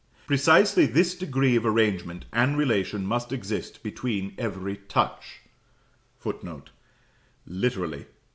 Precisely this degree of arrangement and relation must exist between every touch [Footnote: Literally.